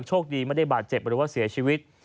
โชคดีไม่ได้บาดเจ็บหรือว่าเสียชีวิต